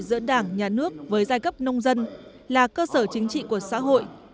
giữa đảng nhà nước với giai cấp nông dân là cơ sở chính trị của xã hội